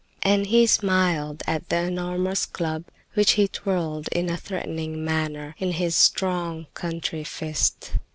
And he smiled at the enormous club which he twirled in a threatening manner in his strong, country fist.